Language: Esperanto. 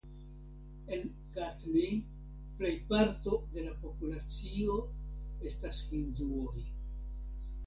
En Katni plejparto de la populacio estas hinduoj.